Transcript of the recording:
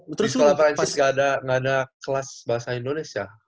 oh di sekolah perancis gak ada kelas bahasa indonesia